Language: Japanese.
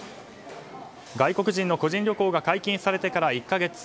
外国人の個人旅行が解禁されてから１か月。